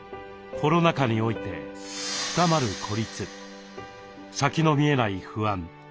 コロナ禍において深まる孤立先の見えない不安。